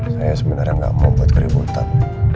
saya sebenarnya nggak mau buat keributan